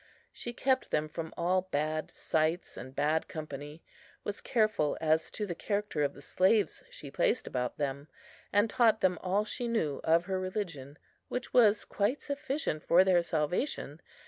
She kept them from all bad sights and bad company, was careful as to the character of the slaves she placed about them, and taught them all she knew of her religion, which was quite sufficient for their salvation.